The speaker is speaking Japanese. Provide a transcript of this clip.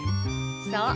そう。